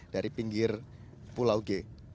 dari pinggir pulau g